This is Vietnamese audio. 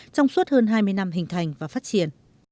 trong suốt hơn hai mươi năm hình thành và phát triển